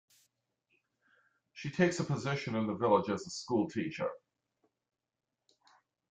She takes a position in the village as a school teacher.